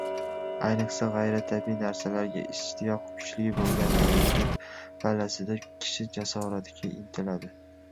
Ayniqsa, g‘ayritabiiy narsalarga ishtiyoq kuchli bo‘lgan yoi lik pallasida kishi jasoratga intiladi